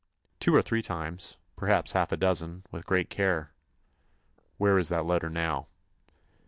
"Two or three times—perhaps half a dozen—with great care." "Where is that letter now?"